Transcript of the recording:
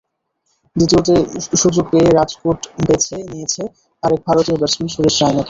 দ্বিতীয়তে সুযোগ পেয়ে রাজকোট বেছে নিয়েছে আরেক ভারতীয় ব্যাটসম্যান সুরেশ রায়নাকে।